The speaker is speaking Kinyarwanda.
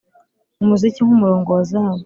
umuziki nkumurongo wa zahabu,